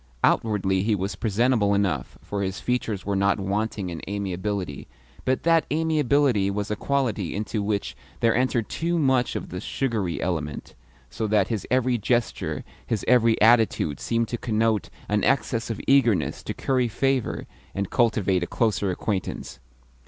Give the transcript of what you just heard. Outwardly he was presentable enough, for his features were not wanting in amiability, but that amiability was a quality into which there entered too much of the sugary element, so that his every gesture, his every attitude, seemed to connote an excess of eagerness to curry favour and cultivate a closer acquaintance.